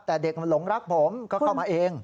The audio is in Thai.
แต่เด็กมันหลงรักผมก็เข้ามาเอง